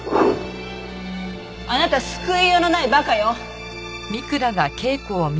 あなた救いようのない馬鹿よ！